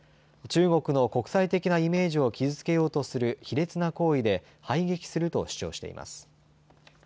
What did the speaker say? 中国の国際的なイメージを傷つけようとする卑劣な行為で排撃すると主張しています。